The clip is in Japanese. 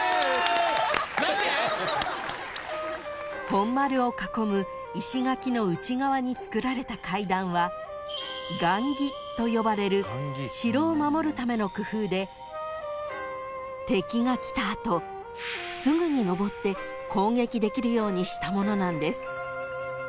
［本丸を囲む石垣の内側に造られた階段は雁木と呼ばれる城を守るための工夫で敵が来た後すぐに上って攻撃できるようにしたものなんです］